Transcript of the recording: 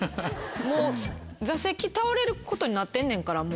もう座席倒れることになってんねんからもう。